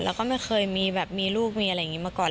แล้วก็ไม่เคยมีแบบมีลูกมีอะไรอย่างนี้มาก่อน